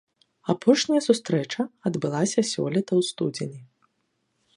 Апошняя сустрэча адбылася сёлета ў студзені.